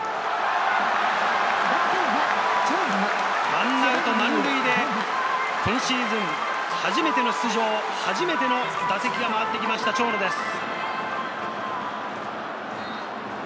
１アウト満塁で今シーズン初めての出場、初めての打席が回ってきました長野です。